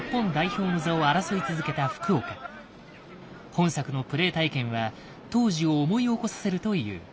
本作のプレイ体験は当時を思い起こさせるという。